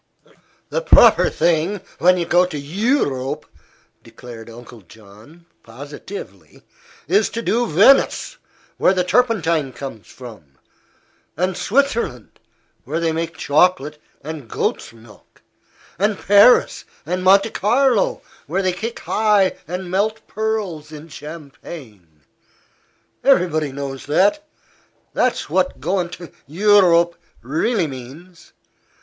"The proper thing, when you go to Eu rope," declared Uncle John, positively, "is to do Venice, where the turpentine comes from, and Switzerland, where they make chocolate and goat's milk, and Paris and Monte Carlo, where they kick high and melt pearls in champagne. Everybody knows that. That's what goin' to Eu rope really means.